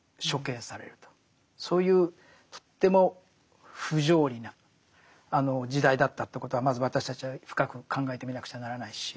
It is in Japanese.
そういうとっても不条理な時代だったということはまず私たちは深く考えてみなくちゃならないし。